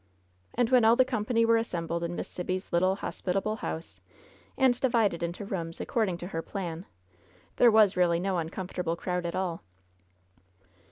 And when all the company were assembled in Miss Sibby's little, hospitable house, and divided into rooms according to her plan, there was really no uncomfortable crowd at all.